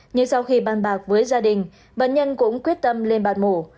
nhưng sau khi ban bạc với gia đình bệnh nhân cũng quyết tâm lên bàn mũ